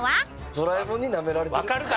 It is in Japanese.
ドラえもんになめられてる。